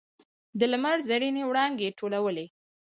د لمر زرینې وړانګې ټولولې.